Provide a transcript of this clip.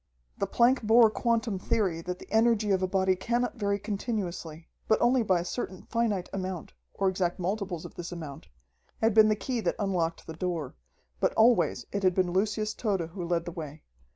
The Planck Bohr quantum theory that the energy of a body cannot vary continuously, but only by a certain finite amount, or exact multiples of this amount, had been the key that unlocked the door. But always it had been Lucius Tode who led the way.